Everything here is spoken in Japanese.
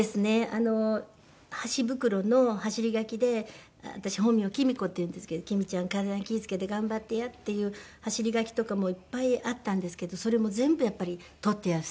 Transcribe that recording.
あの箸袋の走り書きで私本名岐味子っていうんですけど「きみちゃん体に気ぃ付けて頑張ってや」っていう走り書きとかもいっぱいあったんですけどそれも全部やっぱり取ってある。